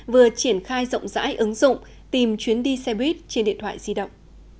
vừa triển khai rộng rãi ứng dụng tìm chuyến đi xe buýt trên điện thoại di động